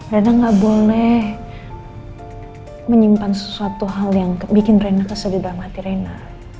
rena gak boleh menyimpan sesuatu hal yang bikin rena kesedihan hati rena